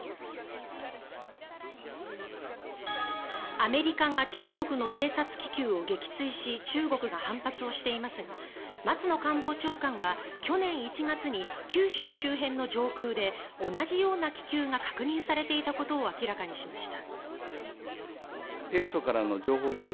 アメリカが中国の偵察気球を撃墜し中国が反発をしていますが松野官房長官は去年１月に九州周辺の上空で同じような気球が確認されていたことを明らかにしました。